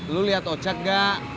lo liat ojak gak